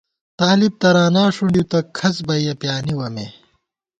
طالب ترانا ݭُنڈِؤ تہ کھڅ بَئیَہ پیانِوَہ مے